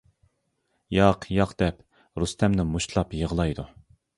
ياق ياق دەپ رۇستەمنى مۇشتلاپ يىغلايدۇ.